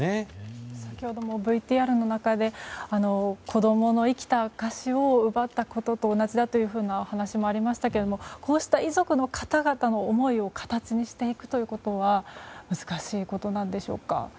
先ほどもＶＴＲの中で子供の生きた証しを奪ったことと同じだというお話もありましたけどこうした遺族の方々の思いを形にしていくということは難しいことなんでしょうか。